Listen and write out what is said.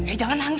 eh jangan nangis